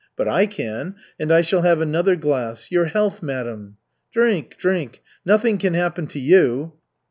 But I can, and I shall have another glass. Your health, madam." "Drink, drink. Nothing can happen to you."